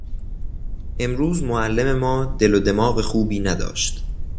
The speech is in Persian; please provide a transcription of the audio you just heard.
امروز معلم ما دل و دماغ خوبی نداشت.